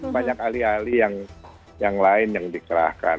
banyak alih alih yang lain yang dikerahkan